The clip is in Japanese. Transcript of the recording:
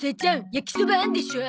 焼きそばあんでしょう。